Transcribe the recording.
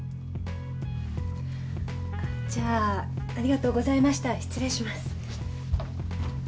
じゃあありがとうございました失礼します。